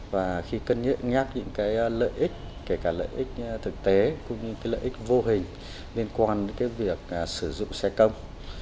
và khi cân nhẹ nhắc những cái lợi ích kể cả lợi ích thực tế cũng như cái lợi ích vô hình liên quan đến việc sử dụng xe công